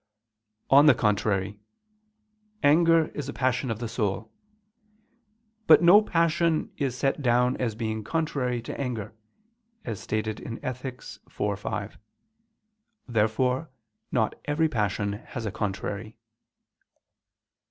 On the contrary, Anger is a passion of the soul. But no passion is set down as being contrary to anger, as stated in Ethic. iv, 5. Therefore not every passion has a contrary.